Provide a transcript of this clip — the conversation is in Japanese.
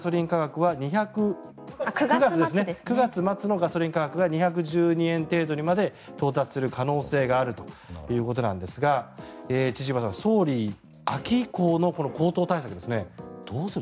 ９月末のガソリン価格が２１２円程度にまで到達する可能性があるということなんですが千々岩さん、総理秋以降の高騰対策